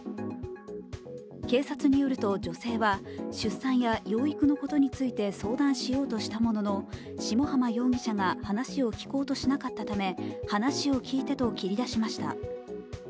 警察によると女性は出産や養育のことについて、相談しようとしたものの下浜容疑者が話を聞こうとしなかったため話を聞いてと切り出しました。